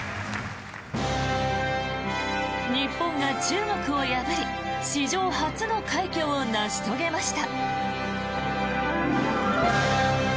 日本が中国を破り史上初の快挙を成し遂げました。